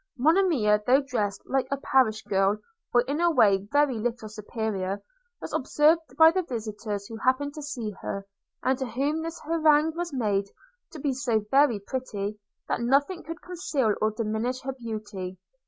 – Monimia, though dressed like a parish girl, or in a way very little superior, was observed by the visitors who happened to see her, and to whom this harangue was made, to be so very pretty, that nothing could conceal or diminish her beauty.